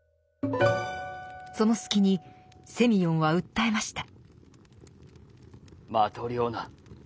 その隙にセミヨンは訴えました。